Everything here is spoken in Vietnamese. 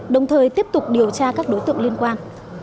đồng thời tiếp tục điều tra các đối tượng liên quan